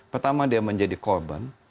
pertama dia menjadi korban